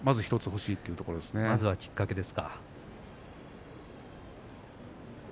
欲しいまずはきっかけですか。